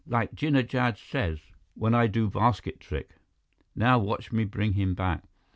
"Like Jinnah Jad says when I do basket trick. Now watch me bring him back!"